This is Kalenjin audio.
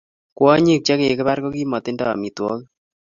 kwonyik che kikipar ko kimatindo amitwakik